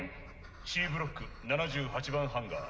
Ｃブロック７８番ハンガー。